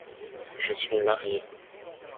Je suis marié.